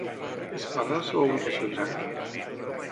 És clara la seva ubicació exacta?